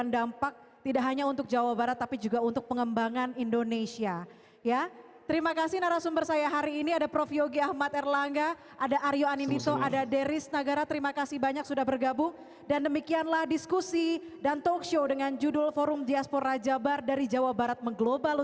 di luar negeri saya kira demikian bu